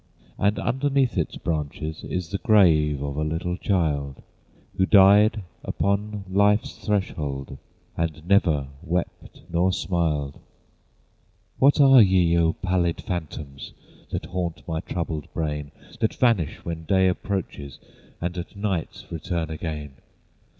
And underneath its branches Is the grave of a little child, Who died upon life's threshold, And never wept nor smiled. What are ye, O pallid phantoms! That haunt my troubled brain? That vanish when day approaches, And at night return again?